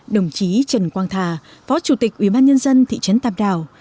đồng chí trần quang thà phó chủ tịch ubnd thị trấn tàm đào